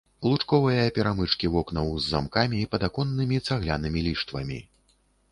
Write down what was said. Лучковыя перамычкі вокнаў з замкамі, падаконнымі цаглянымі ліштвамі.